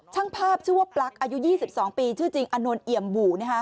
ช่างภาพชื่อว่าปลั๊กอายุ๒๒ปีชื่อจริงอนนทเอี่ยมบู่